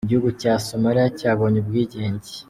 Igihugu cya Somalia cyabonye ubwigenge.